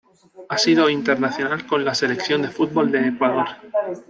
Ha sido internacional con la Selección de fútbol de Ecuador.